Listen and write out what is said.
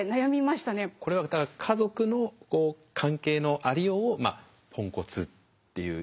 これはだから家族の関係のありようをまあポンコツっていう。